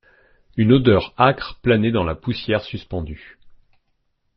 Une odeur âcre planait dans la poussière suspendue.